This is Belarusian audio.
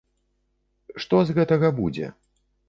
Што з гэтага будзе?